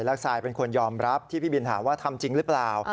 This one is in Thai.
แล้วทรายเป็นคนยอมรับที่พี่บินถามว่าทำจริงหรือเปล่า